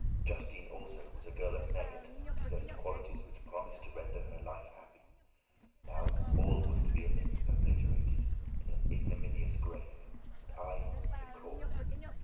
Justine also was a girl of merit and possessed qualities which promised to render her life happy; now all was to be obliterated in an ignominious grave, and I the cause!